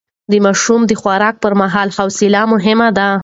د ماشوم د خوراک پر مهال حوصله مهمه ده.